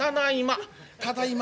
「ただいま」。